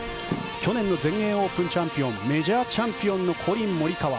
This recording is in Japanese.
去年の全英オープンチャンピオンメジャーチャンピオンのコリン・モリカワ。